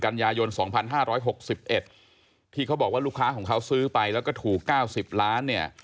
กันยายน๒๕๖๑ที่เขาบอกว่าลูกค้าของเขาซื้อไปแล้วก็ถูก๙๐ล้านเนี่ย